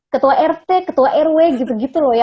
ketua rt ketua rw gitu gitu loh ya